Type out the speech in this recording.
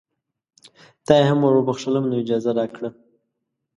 تا یې هم وروبخښلم نو اجازه راکړه.